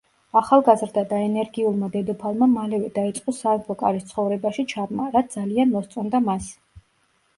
ახალგაზრდა და ენერგიულმა დედოფალმა მალევე დაიწყო სამეფო კარის ცხოვრებაში ჩაბმა, რაც ძალიან მოსწონდა მას.